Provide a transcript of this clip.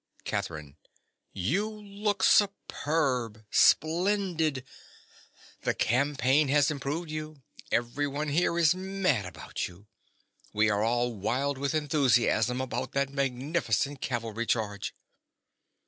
_) CATHERINE. You look superb—splendid. The campaign has improved you. Everybody here is mad about you. We were all wild with enthusiasm about that magnificent cavalry charge.